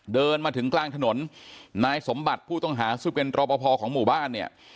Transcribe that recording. เดินมาถึงกลางถนนนายสมบัติผู้ต้องหาซึ่งเป็นรอปภของหมู่บ้านเนี่ย